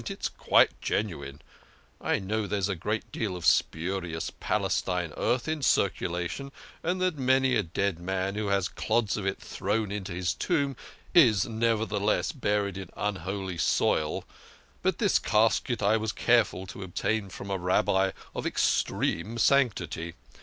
It's quite genuine. I know there is a good deal of spurious Palestine earth in circulation, and that many a dead man who has clods of it thrown into his tomb is nevertheless buried in unholy soil. But this casket I was careful to obtain from a Rabbi of extreme sanctity.